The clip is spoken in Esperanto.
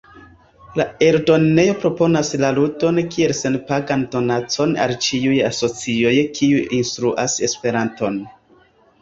La eldonejo proponas la ludon kiel senpagan donacon al ĉiuj asocioj kiuj instruas Esperanton.